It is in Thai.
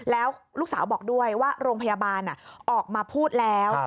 แล้วลูกสาวบอกด้วยว่าโรงพยาบาลออกมาพูดแล้ว